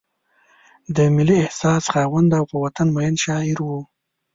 د ملي احساس خاوند او په وطن مین شاعر و.